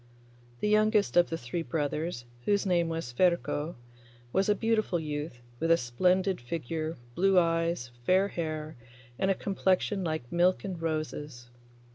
The youngest of the three brothers, whose name was Ferko, was a beautiful youth, with a splendid figure, blue eyes, fair hair, and a complexion like milk and roses.